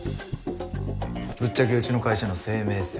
ぶっちゃけうちの会社の生命線。